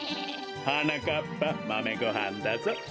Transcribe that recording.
はなかっぱまめごはんだぞ。